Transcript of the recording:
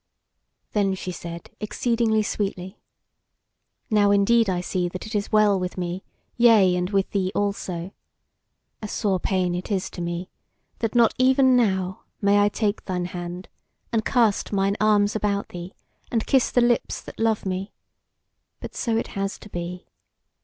Then she said exceeding sweetly: "Now indeed I see that it is well with me, yea, and with thee also. A sore pain it is to me, that not even now may I take thine hand, and cast mine arms about thee, and kiss the lips that love me. But so it has to be.